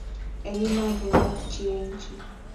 eng Iman, bunnyot chi eng chi